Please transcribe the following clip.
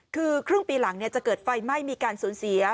คือครึ่งปีหลังจะเกิดไฟไหม้มีการสูญเสีย